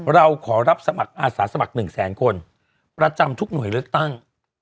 เราขอรับสมัครอาสาสมัคร๑แสนคนประจำทุกหน่วยเลือกตั้ง